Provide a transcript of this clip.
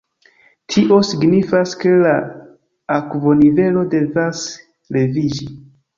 Tio signifas ke la akvonivelo devas leviĝi.